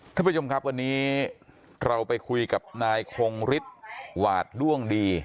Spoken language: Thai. ท่านผู้ชมครับวันนี้เราไปคุยกับนายคงฤทธิ์หวาดล่วงดี